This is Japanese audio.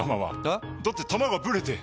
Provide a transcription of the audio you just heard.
だって球がブレて！